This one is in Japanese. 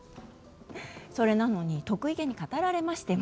それなのに得意げに語られましても。